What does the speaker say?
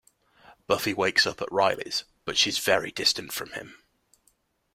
Buffy wakes up at Riley's, but she's very distant from him.